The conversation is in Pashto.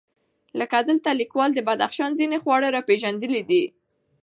لکه دلته لیکوال د بدخشان ځېنې خواړه راپېژندلي دي،